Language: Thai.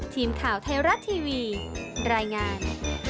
ทีมข่าวไทยรัฐทีวีรายงาน